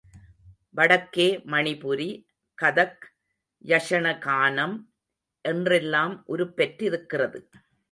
வடக்கே மணிபுரி, கதக், யக்ஷகானம் என்றெல்லாம் உருப்பெற்றிருக்கிறது.